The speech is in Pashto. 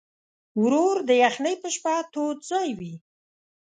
ورور د یخنۍ په شپه تود ځای وي.